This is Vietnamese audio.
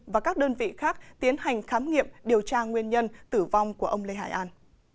và các đơn vị khác tiến hành khám nghiệm điều tra nguyên nhân tử vong của ông lê hải an